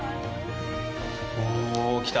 お、来た。